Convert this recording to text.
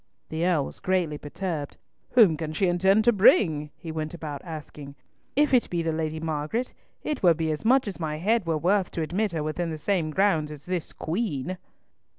The Earl was greatly perturbed. "Whom can she intend to bring?" he went about asking. "If it were the Lady Margaret, it were be much as my head were worth to admit her within the same grounds as this Queen."